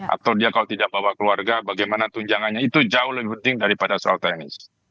atau dia kalau tidak bawa keluarga bagaimana tunjangannya itu jauh lebih penting daripada soal teknis